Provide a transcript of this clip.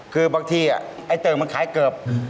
คือบางทีไอ้เติ่งมันขายเกือบ